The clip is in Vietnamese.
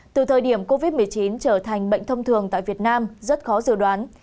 từ thời điểm covid một mươi chín trở thành bệnh thông thường tại việt nam rất khó dự đoán